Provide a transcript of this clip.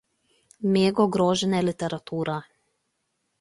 Mėgo grožinę literatūrą.